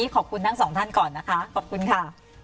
ขอบคุณทั้งสองท่านก่อนนะคะขอบคุณค่ะ